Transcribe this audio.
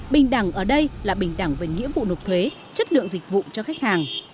bình đẳng ở đây là bình đẳng về nghĩa vụ nộp thuế chất lượng dịch vụ cho khách hàng